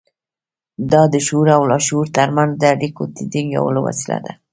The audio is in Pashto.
دا د شعور او لاشعور ترمنځ د اړيکو د ټينګولو وسيله ده.